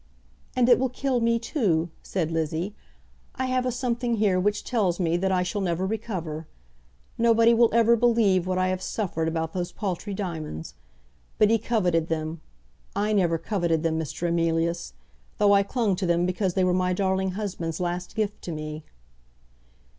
"And it will kill me too," said Lizzie. "I have a something here which tells me that I shall never recover. Nobody will ever believe what I have suffered about those paltry diamonds. But he coveted them. I never coveted them, Mr. Emilius; though I clung to them because they were my darling husband's last gift to me."